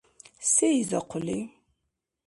Се изахъули?